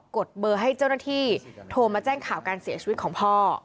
ดเบอร์ให้เจ้าหน้าที่โทรมาแจ้งข่าวการเสียชีวิตของพ่อ